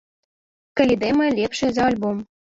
Калі дэма лепшае за альбом.